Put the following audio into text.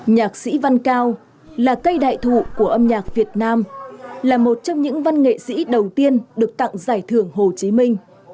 nhạc sĩ văn cao là cây đại thụ của âm nhạc việt nam là một trong những văn nghệ sĩ đầu tiên được tặng giải thưởng hồ chí minh